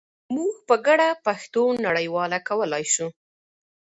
موږ په ګډه پښتو نړیواله کولای شو.